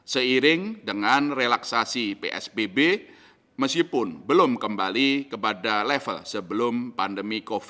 seiring dengan relaksasi psbb meskipun belum kembali kepada level sebelum pandemi covid sembilan belas